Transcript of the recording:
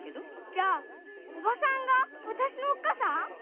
じゃあおばさんがあたしのおっかさん？